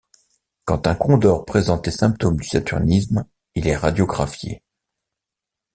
Quand un condor présente les symptômes du saturnisme, il est radiographié.